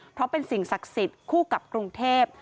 เพราะเป็นสิ่งศักดิ์สิทธิ์คู่กับกรุงเทพ